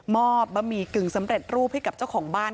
บะหมี่กึ่งสำเร็จรูปให้กับเจ้าของบ้าน